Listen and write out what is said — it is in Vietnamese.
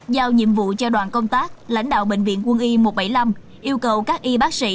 giao nhiệm vụ cho đoàn công tác lãnh đạo bệnh viện quân y một trăm bảy mươi năm yêu cầu các y bác sĩ